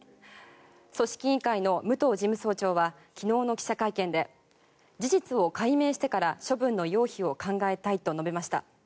組織委員会の武藤事務総長は昨日の記者会見で事実を解明してから処分の要否を考えたいと述べました。